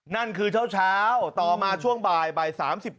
นั่นคือเช้าต่อมาช่วงบ่าย๓๙